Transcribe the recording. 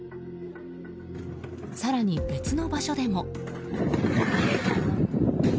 更に、別の場所でも。